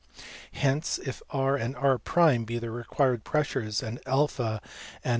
Hence, if R and R be the required pressures, and a and J